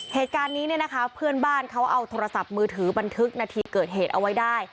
เหตุการณ์นี้เนี่ยนะคะเพื่อนบ้านเขาเอาโทรศัพท์มือถือบันทึกนาทีเกิดเหตุเอาไว้ได้